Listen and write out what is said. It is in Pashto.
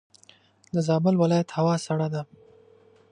دزابل ولایت هوا سړه ده.